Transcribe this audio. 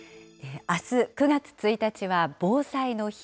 あす９月１日は防災の日。